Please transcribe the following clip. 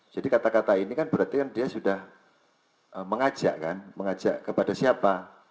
jadi kata kata ini kan berarti dia sudah mengajak kan mengajak kepada siapa